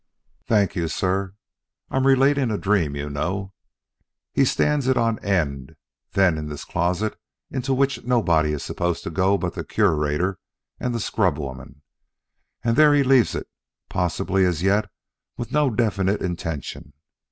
"Thank you, sir. I'm relating a dream, you know. He stands it on end then in this closet into which nobody is supposed to go but the Curator and the scrubwoman, and there he leaves it, possibly as yet with no definite intention.